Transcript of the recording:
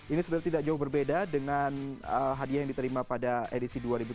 ini sebenarnya tidak jauh berbeda dengan hadiah yang diterima pada edisi dua ribu tujuh belas